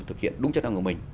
thực hiện đúng chất năng của mình